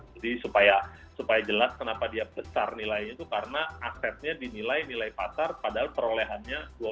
jadi supaya jelas kenapa dia besar nilainya itu karena asetnya dinilai nilai pasar padahal perolehannya dua belas tahun yang lalu